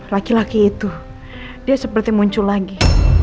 laki laki itu dia seperti muncul lagi